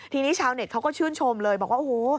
ทีนี้ชาวเน็ตเขาก็ชื่นชมเลยบอกว่าโอ้โห